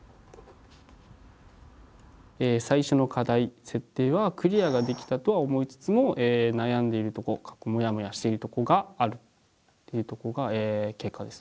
最初の課題設定はクリアができたとは思いつつも悩んでいるとこモヤモヤしているとこがあるというとこが結果です。